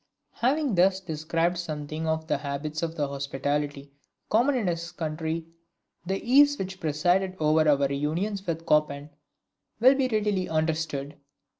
Having thus described something of the habits of hospitality common in his country, the ease which presided over our reunions with Chopin will be readily understood.